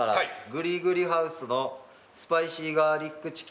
「グリグリハウスのスパイシーガーリックチキン」